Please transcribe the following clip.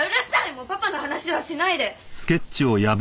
もうパパの話はしないで。